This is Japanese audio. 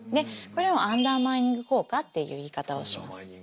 これをアンダーマイニング効果っていう言い方をします。